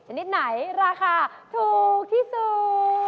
ชนิดไหนราคาถูกที่สุด